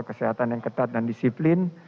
kesehatan yang ketat dan disiplin